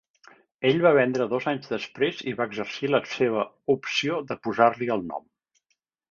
Ell va vendre dos anys després i va exercir la seva opció de posar-li el nom.